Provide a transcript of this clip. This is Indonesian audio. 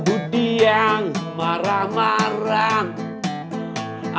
bu diamo marah marah